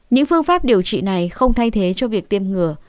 những phương pháp điều trị này không thay thế cho việc tiêm ngừa